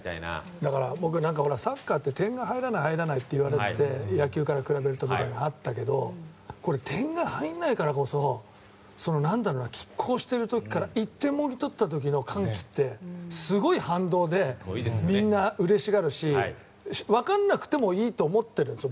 だから、サッカーって点が入らないって言われてて野球から比べるとみたいなことがあったけど点が入らないからこそ拮抗している時から１点もぎ取った時の歓喜ってすごい反動でみんなうれしがるし分からなくてもいいと思っているんですよ